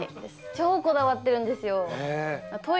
超こだわってるんですよ